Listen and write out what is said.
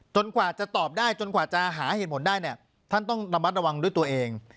กว่าจะตอบได้จนกว่าจะหาเหตุผลได้เนี่ยท่านต้องระมัดระวังด้วยตัวเอง